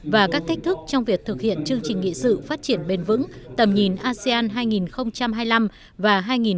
và các thách thức trong việc thực hiện chương trình nghị sự phát triển bền vững tầm nhìn asean hai nghìn hai mươi năm và hai nghìn ba mươi